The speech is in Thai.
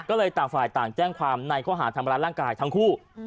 ก็เลยต่างฝ่ายต่างแจ้งความในข้อหาธรรมดาลังกายทั้งคู่อืม